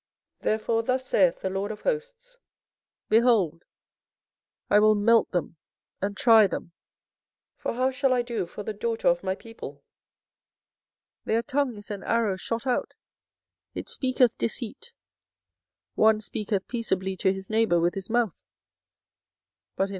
24:009:007 Therefore thus saith the LORD of hosts, Behold, I will melt them, and try them; for how shall I do for the daughter of my people? 24:009:008 Their tongue is as an arrow shot out; it speaketh deceit: one speaketh peaceably to his neighbour with his mouth, but in heart he layeth his wait.